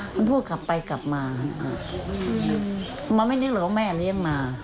มันพูดกลับไปกลับมามันไม่นึกหรอกว่าแม่เลี้ยงมา